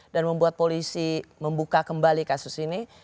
dan membuat polisi membuka kembali kasus ini